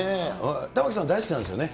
玉城さん、大好きなんですよね？